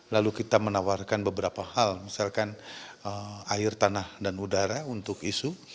lalu kita menawarkan beberapa hal misalkan air tanah dan udara untuk isu